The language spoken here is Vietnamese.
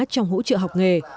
trong hỗ trợ học nghề